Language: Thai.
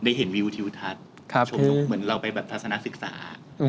เห็นวิวทิวทัศน์เหมือนเราไปแบบทัศนศึกษา